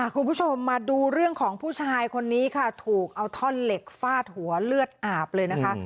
คุณผู้ชมมาดูเรื่องของผู้ชายคนนี้ค่ะถูกเอาท่อนเหล็กฟาดหัวเลือดอาบเลยนะคะ